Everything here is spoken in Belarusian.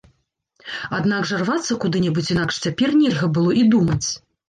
Аднак жа рвацца куды-небудзь інакш цяпер нельга было і думаць.